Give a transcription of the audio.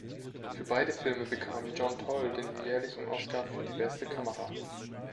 Für beide Filme bekam John Toll den jährlichen Oscar für die Beste Kamera.